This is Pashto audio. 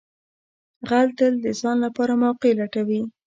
غل تل د ځان لپاره موقع لټوي